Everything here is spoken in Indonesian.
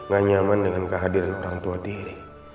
gak nyaman dengan kehadiran orang tua diri